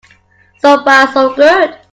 So far so good.